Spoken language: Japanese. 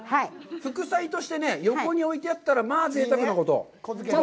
副菜として横に置いてあったら、まぁ、ぜいたくなこと。